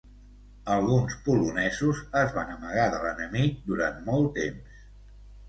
Alguns polonesos es van amagar de l'enemic durant molt temps.